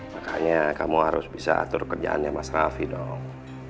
makanya kamu harus bisa atur kerjaannya mas raffi dong